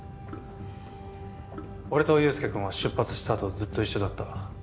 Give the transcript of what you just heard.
俺と悠輔君は出発したあとずっと一緒だった。